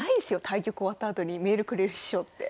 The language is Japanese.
対局終わったあとにメールくれる師匠って。